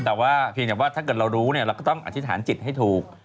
แต่ว่าเพียงแต่ว่าถ้าเกิดเรารู้เราก็ต้องอธิษฐานจิตให้ถูก